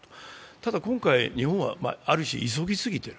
ただ今回、日本はある種急ぎすぎている。